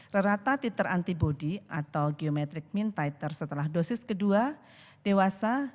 rata titer antibody atau geometric mean titer setelah dosis kedua dewasa